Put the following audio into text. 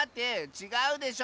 ちがうでしょ！